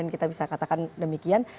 kita bisa katakan demikian